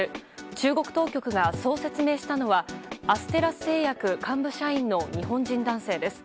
中国当局がそう説明したのはアステラス製薬幹部社員の日本人男性です。